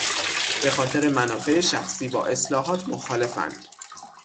به خاطر منافع شخصی با اصلاحات مخالفند.